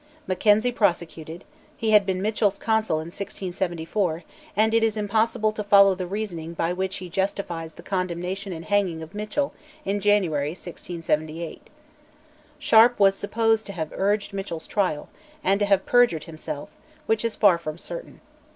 Mackenzie prosecuted; he had been Mitchell's counsel in 1674, and it is impossible to follow the reasoning by which he justifies the condemnation and hanging of Mitchell in January 1678. Sharp was supposed to have urged Mitchell's trial, and to have perjured himself, which is far from certain.